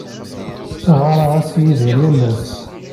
Ɣɣareɣ-as i Yidir yal ass.